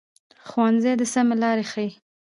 ښوونځی د سمه لار ښيي